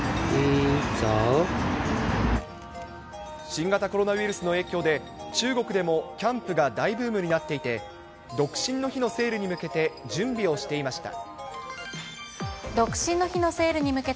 新型コロナウイルスの影響で、中国でもキャンプが大ブームになっていて、独身の日のセールに向けて準備をしていました。